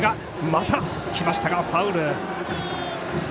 また仕掛けたがファウル。